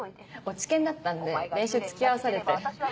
落研だったんで練習付き合わされて。